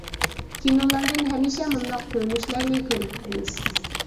كىنولاردىن ھەمىشە مۇنداق كۆرۈنۈشلەرنى كۆرۈپ تۇرىمىز.